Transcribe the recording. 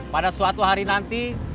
pada suatu hari nanti